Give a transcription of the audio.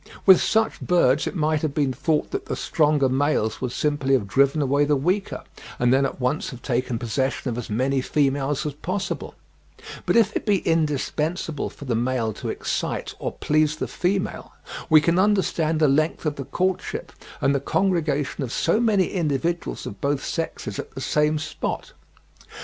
With such birds it might have been thought that the stronger males would simply have driven away the weaker, and then at once have taken possession of as many females as possible; but if it be indispensable for the male to excite or please the female, we can understand the length of the courtship and the congregation of so many individuals of both sexes at the same spot.